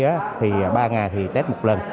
ở đây thì ba ngày thì test một lần